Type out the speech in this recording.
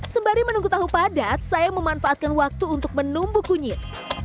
sembari menunggu tahu padat saya memanfaatkan waktu untuk menumbuk kunyit